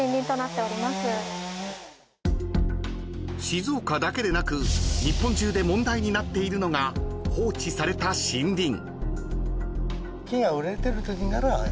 ［静岡だけでなく日本中で問題になっているのが放置された森林］